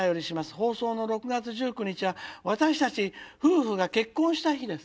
放送の６月１９日は私たち夫婦が結婚した日です。